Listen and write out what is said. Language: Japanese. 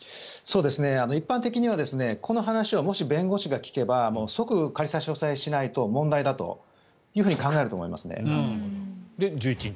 一般的にはこの話を、もし弁護士が聞けば即、仮差し押さえしないと問題だと考えると思いますね。